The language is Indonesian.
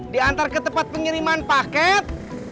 diantar ke tempat pengiriman paket